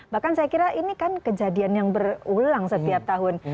bahkan saya kira ini kan kejadian yang berulang setiap tahun